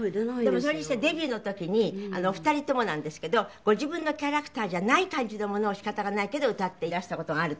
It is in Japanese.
でもそれにしてもデビューの時に２人ともなんですけどご自分のキャラクターじゃない感じのものを仕方がないけど歌っていらした事があると。